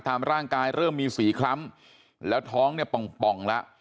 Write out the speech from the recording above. ตามร่างกายเริ่มมีสีคล้ำแล้วท้องเนี่ยป่องแล้ว